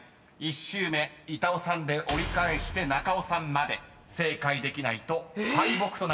１周目板尾さんで折り返して中尾さんまで正解できないと敗北となってしまいます］